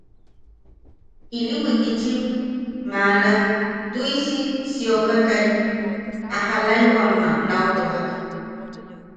Ili wikitchim maala tuʼisi siokakai a jalaʼiwam nau tojak.